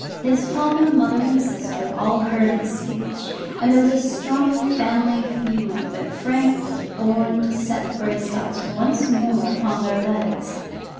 His father, mother, and sister all heard his speech, and there was a strong family feeling that Frank was born to set the Greystocks once more upon their legs.